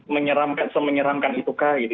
menyeramkan semenyeramkan itukah gitu